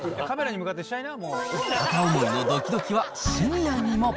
片思いのどきどきはシニアにも。